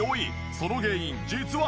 その原因実は。